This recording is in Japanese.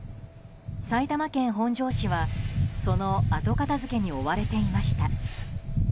埼玉県本庄市は、その後片付けに追われていました。